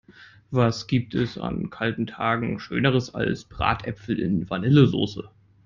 Was gibt es an kalten Tagen schöneres als Bratäpfel in Vanillesoße!